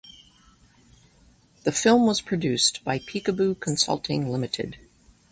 The film was produced by Peekaboo Consulting Limited.